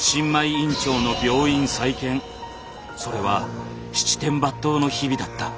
それは七転八倒の日々だった。